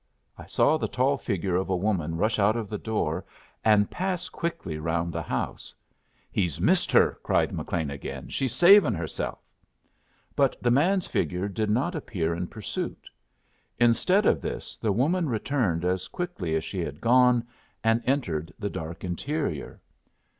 I saw the tall figure of a woman rush out of the door and pass quickly round the house. "He's missed her!" cried McLean, again. "She's savin' herself." But the man's figure did not appear in pursuit. Instead of this, the woman returned as quickly as she had gone, and entered the dark interior.